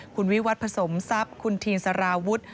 คุณวิวัตรผสมทรัพย์คุณทีนสารวุฒิ